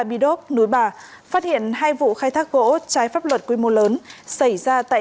bidốc núi bà phát hiện hai vụ khai thác gỗ trái pháp luật quy mô lớn xảy ra